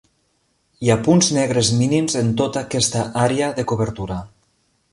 Hi ha punts negres mínims en tota aquesta àrea de cobertura.